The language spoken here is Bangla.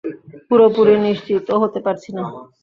পুরোপুরি নিশ্চিতও হতে পারছি না।